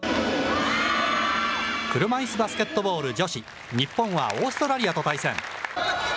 車いすバスケットボール女子、日本はオーストラリアと対戦。